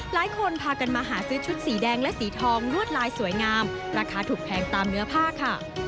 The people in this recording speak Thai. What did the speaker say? หลายคนพากันมาหาซื้อชุดสีแดงและสีทองลวดลายสวยงามราคาถูกแพงตามเนื้อผ้าค่ะ